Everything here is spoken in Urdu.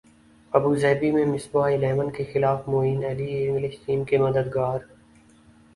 ابوظہبی میں مصباح الیون کیخلاف معین علی انگلش ٹیم کے مددگار